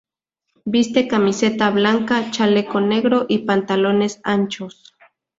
Viste camiseta blanca, chaleco negro y pantalones anchos.